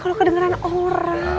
kalo kedengeran orang